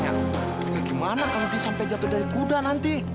ya gimana kamu bisa sampai jatuh dari kuda nanti